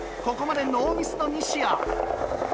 ここまでノーミスの西矢。